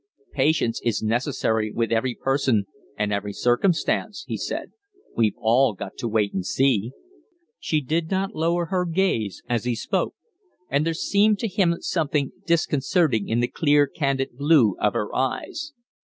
"Patience is necessary with every person and every circumstance," he said. "We've all got to wait and see." She did not lower her gaze as he spoke; and there seemed to him something disconcerting in the clear, candid blue of her eyes.